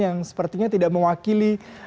yang sepertinya tidak mewakili